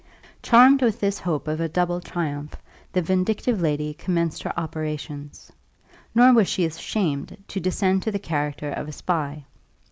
Charmed with this hope of a double triumph, the vindictive lady commenced her operations, nor was she ashamed to descend to the character of a spy.